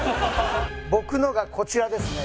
僕のがこちらですね。